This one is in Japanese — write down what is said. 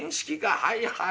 はいはい。